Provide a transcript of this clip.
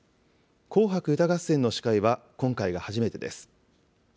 紅白歌合戦の司会は今回が初めてです。